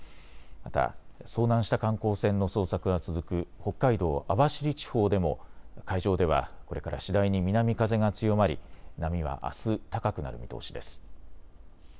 また遭難した観光船の捜索が続く北海道網走地方でも海上ではこれから次第に南風が強まり波はあす高くなる見通しです。